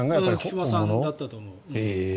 菊間さんだったと思う。